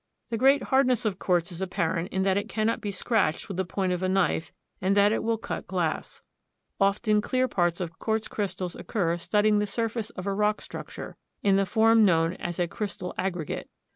The great hardness of quartz is apparent in that it cannot be scratched with the point of a knife and that it will cut glass. Often clear parts of quartz crystals occur studding the surface of a rock structure, in the form known as a crystal aggregate.